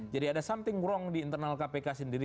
jadi ada something wrong di internal kpk sendiri